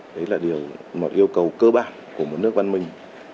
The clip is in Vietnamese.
đấy là điều một yêu cầu cơ bản của một nước văn minh